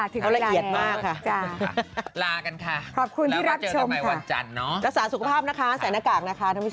ถึงเวลาแล้วค่ะจ้ะลากันค่ะแล้วมาเจอกันต่อไปวันจันทร์เนอะรักษาสุขภาพนะคะใส่หน้ากากนะคะท่านผู้ชม